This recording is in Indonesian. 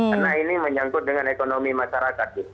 karena ini menyangkut dengan ekonomi masyarakat bu